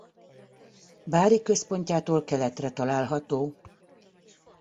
Bári központjától keletre található.